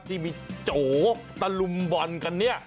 ที่มีโจตะลุมบอลกันเนี่ย